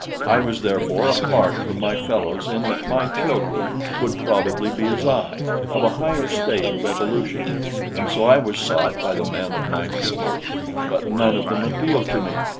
I was therefore apart from my fellows in that my children would probably be as I, of a higher state of evolution, and so I was sought by the men of my people; but none of them appealed to me.